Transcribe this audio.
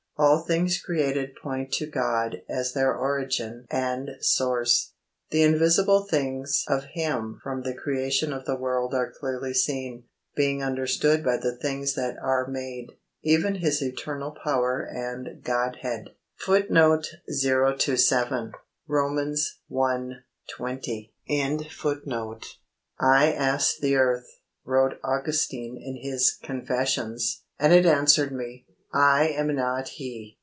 All things created point to God as their origin and source. "The invisible things of him from the creation of the world are clearly seen, being understood by the things that are made, even his eternal power and Godhead." "I asked the earth," wrote Augustine in his Confessions, "and it answered me, 'I am not He.'